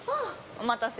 お待たせ。